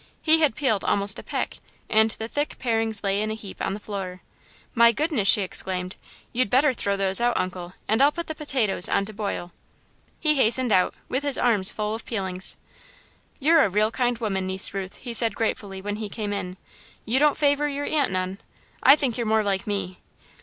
He had peeled almost a peck and the thick parings lay in a heap on the floor. "My goodness'" she exclaimed. "You'd better throw those out, Uncle, and I'll put the potatoes on to boil." He hastened out, with his arms full of peelings. "You're a real kind woman, Niece Ruth," he said gratefully, when he came in. "You don't favour your aunt none I think you're more like me."